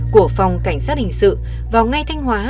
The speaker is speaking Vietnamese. của phòng cảnh sát hình sự vào ngay thanh hóa